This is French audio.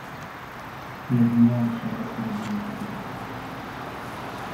La lumière de son être n’éblouit plus.